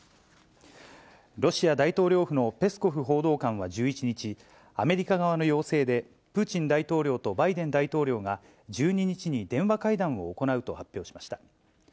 ロシア大統領府のペスコフ報道官は１１日、アメリカ側の要請で、プーチン大統領とバイデン大統領が、１２日に電話会談を行うと発表しました。